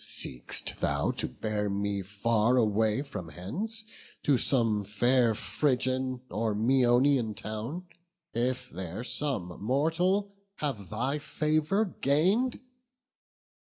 Seek'st thou to bear me far away from hence To some fair Phrygian or Maeonian town, If there some mortal have thy favour gain'd?